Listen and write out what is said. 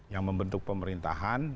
yang membentuk pemerintahan